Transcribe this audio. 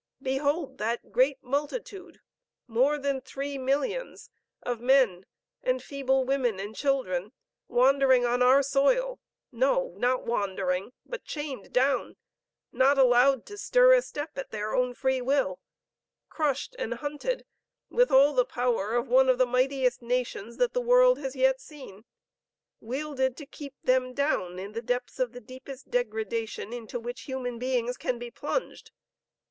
Behold that great multitude, more than three millions of men and feeble women and children, wandering on our soil; no not wandering, but chained down, not allowed to stir a step at their own free will, crushed and hunted with all the power of one of the mightiest nations that the world has yet seen, wielded to keep them down in the depths of the deepest degradation into which human beings can be plunged.